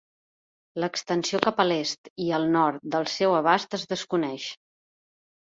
L"extensió cap a l"est i el nord del seu abast es desconeix.